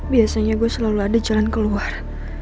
biasanya gue selalu ada jalan keluar